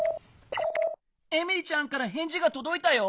エミリちゃんからへんじがとどいたよ。